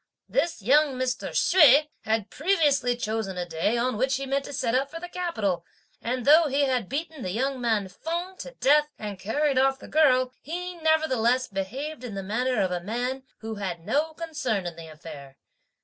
This young Mr. Hsüeh had previously chosen a day, on which he meant to set out for the capital, and though he had beaten the young man Feng to death, and carried off the girl, he nevertheless behaved in the manner of a man who had had no concern in the affair.